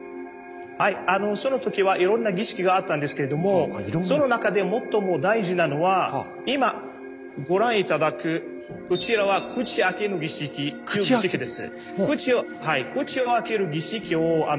はいその時はいろんな儀式があったんですけれどもその中で最も大事なのは今ご覧頂くこちらは「口開けの儀式」という儀式です。